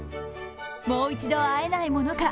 もう一度会えないものか